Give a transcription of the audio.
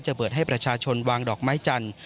เปิดให้ประชาชนวางดอกไม้จันทร์